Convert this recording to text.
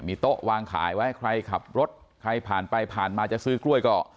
โต๊ะวางขายไว้ใครขับรถใครผ่านไปผ่านมาจะซื้อกล้วยก็